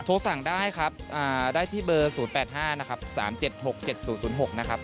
โทรสั่งได้ครับได้ที่เบอร์๐๘๕นะครับ๓๗๖๗๐๐๖นะครับ